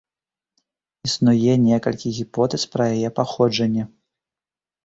Існуе некалькі гіпотэз пра яе паходжанне.